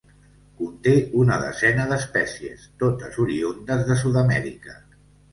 Conté una desena d'espècies, totes oriündes de Sud-amèrica.